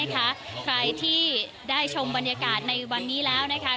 ใครที่ได้ชมบรรยากาศในวันนี้แล้วนะคะ